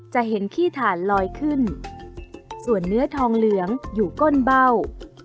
จะเห็นขี้ถ่านลอยขึ้นส่วนเนื้อทองเหลืองอยู่ก้นเบ้า